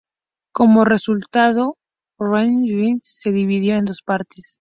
Como resultado, Württemberg se dividió en dos partes.